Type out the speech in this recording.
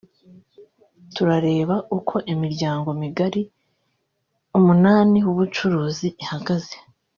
turareba uko imiryango migari umunani y’ubucuruzi ihagaze